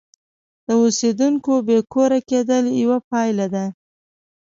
د اوسیدونکو بې کوره کېدل یوه پایله ده.